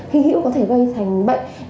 hữu hữu có thể gây thành bệnh